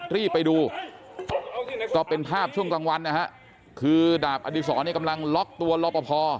รีบไปดูก็เป็นภาพช่วงกลางวันนะครับคือดาบอดิษรกำลังล็อกตัวลบพอพอ